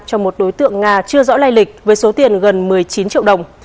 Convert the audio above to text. cho một đối tượng nga chưa rõ lây lịch với số tiền gần một mươi chín triệu đồng